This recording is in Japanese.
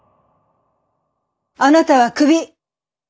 あなたはクビ。